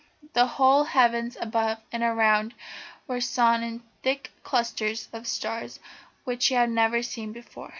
The whole heavens above and around were strewn with thick clusters of stars which she had never seen before.